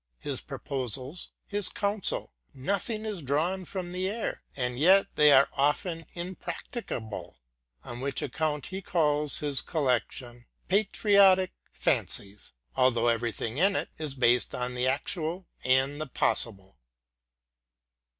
His proposals, his counsel — nothing is drawn from the air, and yet they are often impracticable, on which account he calls his collection '* patriotic fancies ;"' although every thing in it is based on the actual and the possible.